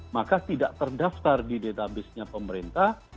maka tidak terdaftar di database nya pemerintah